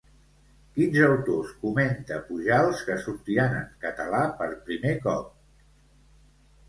Quins autors comenta Pujals que sortiran en català per primer cop?